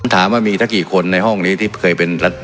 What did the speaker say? ถามว่ามีแต่กี่คนในห้องนี้ที่เป็นตัวอัศวินิจัย